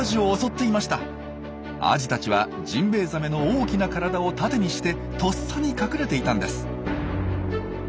アジたちはジンベエザメの大きな体を盾にしてとっさに隠れていたんです。